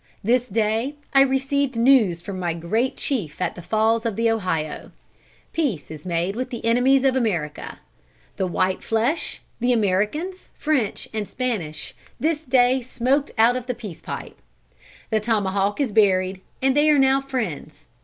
This day I received news from my great chief at the Falls of the Ohio. Peace is made with the enemies of America. The white flesh, the Americans, French, and Spanish, this day smoked out of the peace pipe. The tomahawk is buried, and they are now friends.